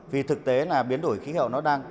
vì thực tế là biến đổi khí hậu nó đang